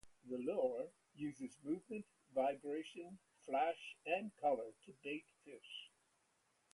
The lure uses movement, vibration, flash and color to bait fish.